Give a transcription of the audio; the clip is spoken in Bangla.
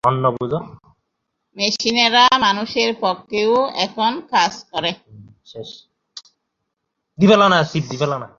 মেশিনেরা মানুষের পক্ষেও এখন কাজ করে।